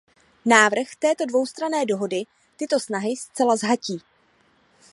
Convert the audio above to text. Návrh této dvoustranné dohody tyto snahy zcela zhatí.